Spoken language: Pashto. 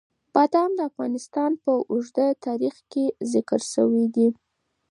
بادام د افغانستان په اوږده تاریخ کې ذکر شوي دي.